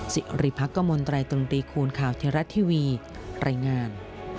สิริภักษ์กระมนตรายตรงตีคูณข่าวที่รัททีวีรายงาน